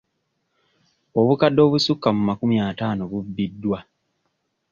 Obukadde obusukka mu makumi ataano bubbiddwa.